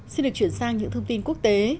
xin được chuyển sang những thông tin quốc tế